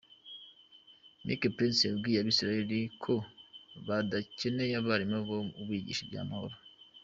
Mike Pince yabwiye Abisiraheli ko badakeneye abarimu bo kubigisha iby’amahoro.